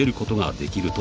できるぞ！